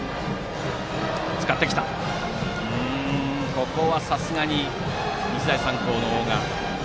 ここはさすがに日大三高の大賀。